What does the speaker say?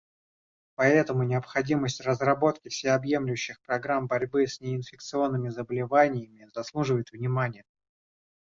Поэтому необходимость разработки всеобъемлющих программ борьбы с неинфекционными заболеваниями заслуживает внимания.